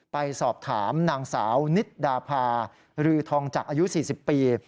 ไปสอบถามนางสาวนิดดาพารือทองจักรอายุ๔๐ปี